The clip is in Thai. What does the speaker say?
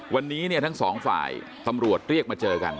วันนี้เนี่ยทั้งสองฝ่ายตำรวจเรียกมาเจอกัน